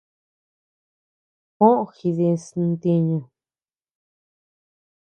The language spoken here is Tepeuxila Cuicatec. Juó jidis ntiñu.